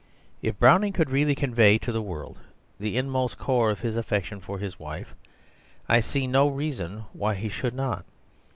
If Browning could really convey to the world the inmost core of his affection for his wife, I see no reason why he should not.